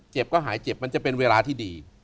ก็หายเจ็บมันจะเป็นเวลาที่ดี